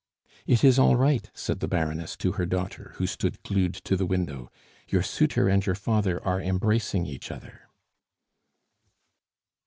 "It is all right," said the Baroness to her daughter, who stood glued to the window. "Your suitor and your father are embracing each other."